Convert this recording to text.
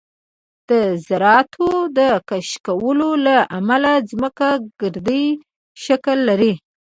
د ذراتو د کشکولو له امله ځمکه ګردی شکل لري